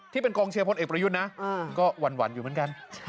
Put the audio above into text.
ที่เป็นกองเชียร์พลเอกประยุทธ์นะก็หวั่นอยู่เหมือนกัน